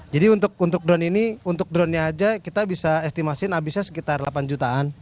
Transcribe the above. untuk drone ini untuk dronenya aja kita bisa estimasi habisnya sekitar delapan jutaan